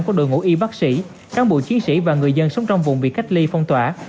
của đội ngũ y bác sĩ cán bộ chiến sĩ và người dân sống trong vùng bị cách ly phong tỏa